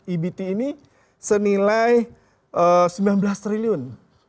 abt ini senilai sembilan belas triliun